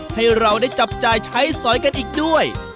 ให้เราได้จับจ่ายใช้สอยกันอีกด้วย